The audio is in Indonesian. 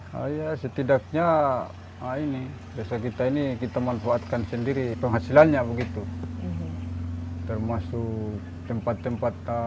hai setidaknya ini bisa kita ini kita manfaatkan sendiri penghasilannya begitu termasuk tempat tempat